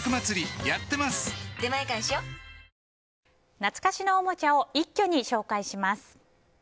懐かしのおもちゃを一挙に紹介します。